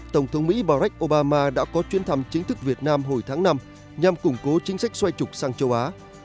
tổng thống mỹ barack obama đã có chuyến thăm chính thức việt nam hồi tháng năm nhằm củng cố chính sách xoay trục sang châu á